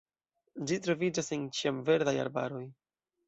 Ĝi troviĝas en ĉiamverdaj arbaroj.